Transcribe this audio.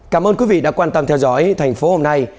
cảm ơn quý vị đã quan tâm theo dõi thành phố hôm nay